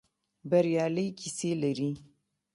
بریالۍ کيسې لري.